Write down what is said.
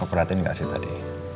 kau perhatiin gak sih tadi